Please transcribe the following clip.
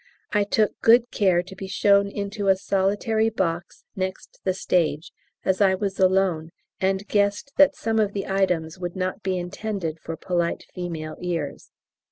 I took good care to be shown into a solitary box next the stage, as I was alone and guessed that some of the items would not be intended for polite female ears.